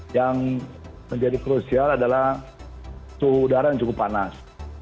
yang menjadi krusial adalah suhu udara yang cukup panas